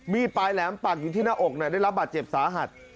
ปลายแหลมปักอยู่ที่หน้าอกได้รับบาดเจ็บสาหัส